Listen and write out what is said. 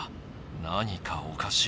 何かおかしい。